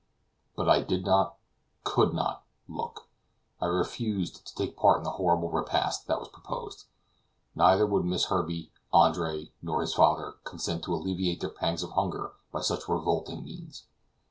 But I did not, could not, look. I refused to take part in the horrible repast that was proposed. Neither would Miss Herbey, Andre, nor his father, consent to alleviate their pangs of hunger by such revolting means.